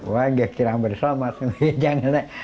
saya tidak kira bersama dengan mereka